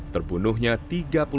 terbunuhnya tiga orang